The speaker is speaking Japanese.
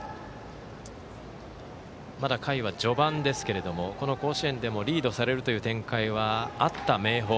まだ回は序盤ですけれどもこの甲子園でもリードされるという展開はあった明豊。